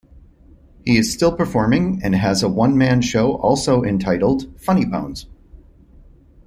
He is still performing and has a one-man show also entitled Funny Bones.